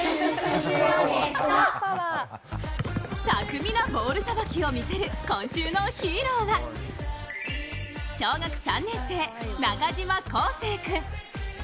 巧みなボールさばきを見せる今週のヒーローは小学３年生中島輝星君。